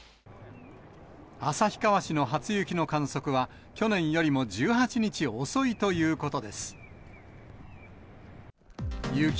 旭川市の初雪の観測は、去年よりも１８日遅いということです。